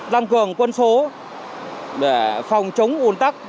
tăng cường quân số để phòng chống ôn tắc